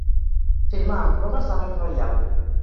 Firmar amb plomes d'ànec reial.